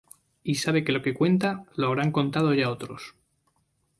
Y sabe que lo que cuenta, lo habrán contado ya otros.